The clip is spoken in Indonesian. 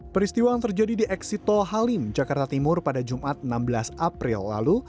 peristiwa yang terjadi di eksito halim jakarta timur pada jumat enam belas april lalu